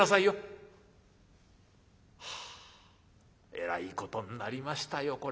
はあえらいことになりましたよ